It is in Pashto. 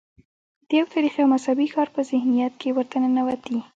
د یو تاریخي او مذهبي ښار په ذهنیت کې ورته ننوتي.